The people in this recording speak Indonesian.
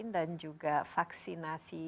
dan juga vaksinasi